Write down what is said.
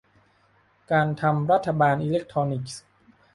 การทำรัฐบาลอิเล็กทรอนิกส์